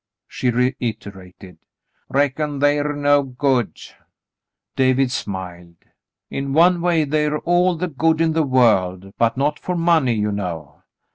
she reiterated. "Reckon the're no good ? David smiled. "In one way they're all the good in the world, but not for money, you know."